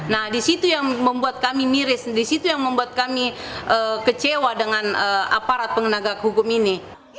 nah di situ yang membuat kami miris di situ yang membuat kami kecewa dengan aparat penegak hukum ini